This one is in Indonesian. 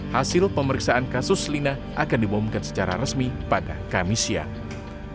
hasil pemeriksaan kasus lina akan dibomkan secara resmi pada kamis siang